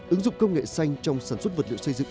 ứng dụng công nghệ xanh trong sản xuất vật liệu xây dựng